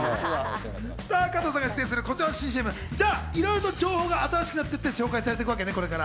さぁ、加藤さんが出演するこちらの新ＣＭ、いろいろ情報が新しくなって公開されていくわけね。